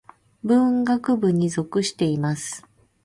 文学部に属しています。